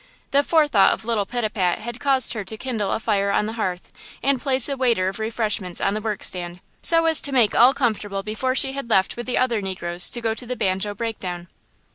The forethought of little Pitapat had caused her to kindle a fire on the hearth and place a waiter of refreshments on the workstand, so as to make all comfortable before she had left with the other negroes to go to the banjo breakdown.